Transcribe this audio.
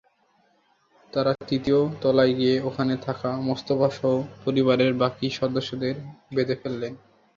তাঁরা তৃতীয় তলায় গিয়ে ওখানে থাকা মোস্তফাসহ পরিবারের বাকি সদস্যদের বেঁধে ফেলেন।